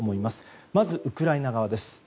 まずウクライナ側です。